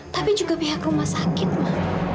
tapi juga pihak rumah sakit mbak